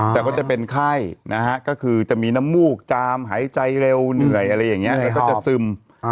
แต่ก็จะเป็นไข้นะฮะก็คือจะมีน้ำมูกจามหายใจเร็วเหนื่อยอะไรอย่างนี้แล้วก็จะซึม